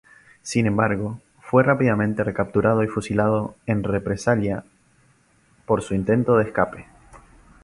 Sin embargo, fue rápidamente recapturado y fusilado en represalia por su intento de escape.